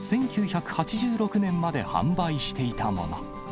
１９８６年まで販売していたもの。